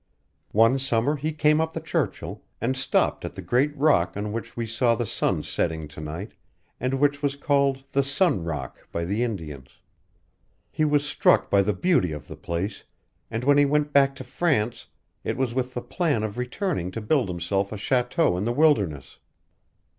One summer he came up the Churchill, and stopped at the great rock on which we saw the sun setting to night, and which was called the Sun Rock by the Indians. He was struck by the beauty of the place, and when he went back to France it was with the plan of returning to build himself a chateau in the wilderness.